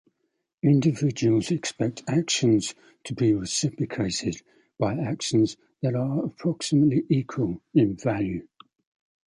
Individuals expect actions to be reciprocated by actions that are approximately equal in value.